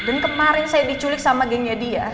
dan kemarin saya diculik sama gengnya dia